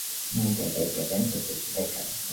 নায়িকা, গায়িকা, ড্যান্সার, দর্জি, বাইকার।